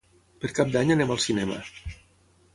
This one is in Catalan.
Per Cap d'Any anam al cinema.